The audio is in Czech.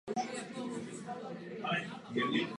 Doufám, že ostatní jej budou následovat.